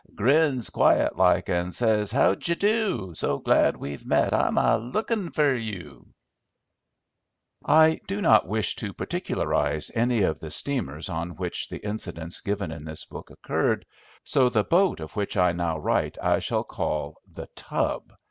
Grins quiet like, and says, 'How d'y do, So glad we've met, I'm a lookin' fer you'" I do not wish to particularise any of the steamers on which the incidents given in this book occurred, so the boat of which I now write I shall call The Tub.